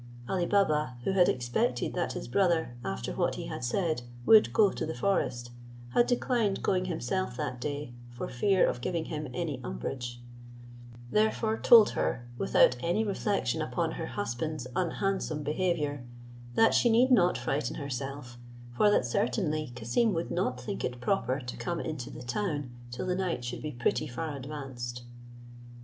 Ali Baba, who had expected that his brother, after what he had said, would go to the forest, had declined going himself that day, for fear of giving him any umbrage; therefore told her, without any reflection upon her husband's unhandsome behaviour, that she need not frighten herself, for that certainly Cassim would not think it proper to come into the town till the night should be pretty far advanced.